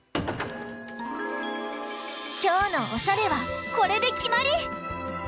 きょうのおしゃれはこれできまり！